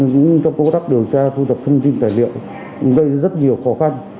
cũng trong công tác điều tra thu thập thông tin tài liệu gây rất nhiều khó khăn